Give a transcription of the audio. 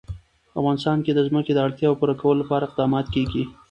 په افغانستان کې د ځمکه د اړتیاوو پوره کولو لپاره اقدامات کېږي.